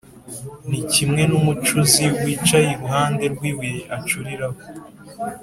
Ni kimwe n’umucuzi wicaye iruhande rw’ibuye acuriraho,